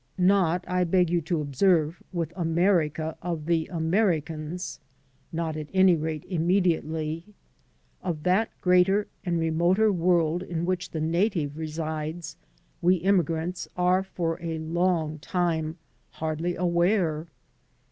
Not, I beg you to observe, with America of the Americans; not, at any rate, inmiediately • Of that greater and remoter world in which the native resides we immigrants are for a Icmg time hardly aware.